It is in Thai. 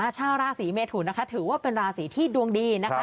ชาวราศีเมทุนนะคะถือว่าเป็นราศีที่ดวงดีนะคะ